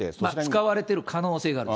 使われている可能性がある。